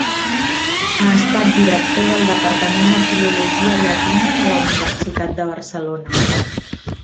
Ha estat director del departament de filologia llatina de la Universitat de Barcelona.